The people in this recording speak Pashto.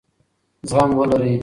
زغم ولرئ.